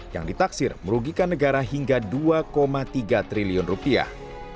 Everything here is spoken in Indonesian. yang ditaksir merugikan negara hingga dua tiga triliun rupiah